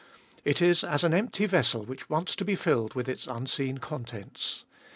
It is as an empty vessel which wants to be filled with its unseen contents.